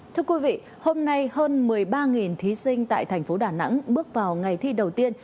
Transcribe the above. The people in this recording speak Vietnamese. thưa quý vị hôm nay hơn một mươi ba thí sinh tại thành phố đà nẵng bước vào ngày thi đầu tiên